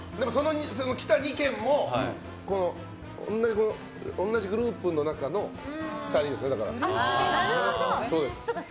来た２件も同じグループの中の２人ですね。